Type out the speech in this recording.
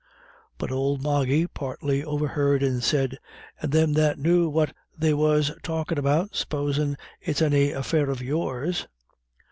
But old Moggy partly overheard and said: "Thim that knew what they was talkin' about, supposin' it's any affair of yours."